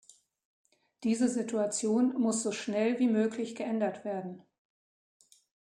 Diese Situation muss so schnell wie möglich geändert werden.